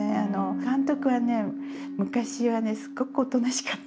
監督はね昔はねすごくおとなしかったんです。